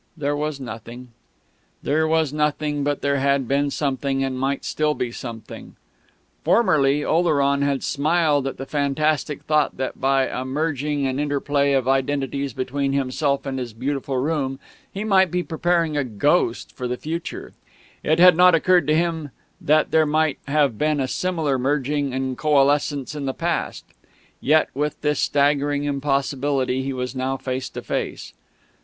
There was nothing. There was nothing; but there had been something, and might still be something. Formerly, Oleron had smiled at the fantastic thought that, by a merging and interplay of identities between himself and his beautiful room, he might be preparing a ghost for the future; it had not occurred to him that there might have been a similar merging and coalescence in the past. Yet with this staggering impossibility he was now face to face.